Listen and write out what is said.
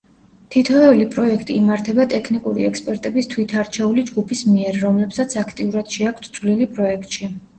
თითოეული პროექტი იმართება ტექნიკური ექსპერტების თვითარჩეული ჯგუფის მიერ, რომლებსაც აქტიურად შეაქვთ წვლილი პროექტში.